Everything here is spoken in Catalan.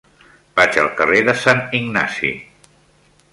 Vaig al carrer de Sant Ignasi.